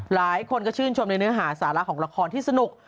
หลายคนก็ชื่นชมในเนื้อหาสาระของละครที่สนุก